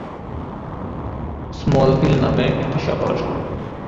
Smallville নামের একটা শহরে।